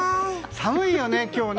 寒いよね、今日ね。